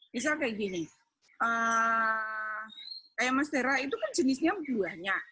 misal kayak gini kayak mas tera itu kan jenisnya buahnya